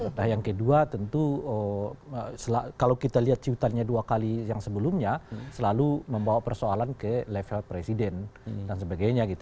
nah yang kedua tentu kalau kita lihat cuitannya dua kali yang sebelumnya selalu membawa persoalan ke level presiden dan sebagainya gitu